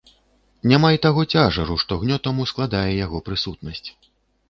Няма й таго цяжару, што гнётам ускладае яго прысутнасць.